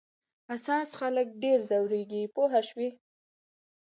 حساس خلک ډېر ځورېږي پوه شوې!.